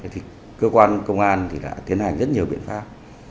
thì cơ quan công an thì đã tiến hành rất nhiều biện pháp